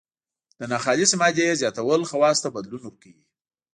د ناخالصې مادې زیاتول خواصو ته بدلون ورکوي.